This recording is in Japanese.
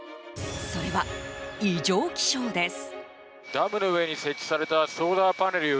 それは、異常気象です。